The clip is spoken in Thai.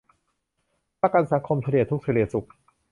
ประกันสังคม เฉลี่ยทุกข์เฉลี่ยสุข